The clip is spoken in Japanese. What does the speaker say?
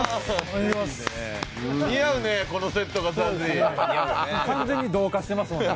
もう完全に同化してますもんね。